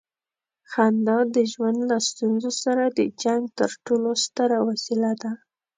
خندا د ژوند له ستونزو سره د جنګ تر ټولو ستره وسیله ده.